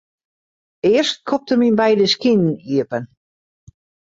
Earst skopt er myn beide skinen iepen.